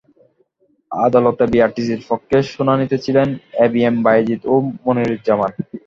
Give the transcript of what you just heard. আদালতে বিআরটিসির পক্ষে শুনানিতে ছিলেন এ বি এম বায়েজিদ ও মুনীরুজ্জামান।